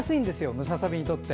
ムササビにとって。